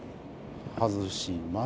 外します。